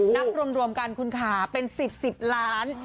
นับรวมกันคุณค่ะเป็น๑๐๑๐ล้าน